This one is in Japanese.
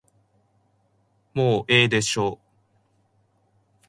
もうええでしょう。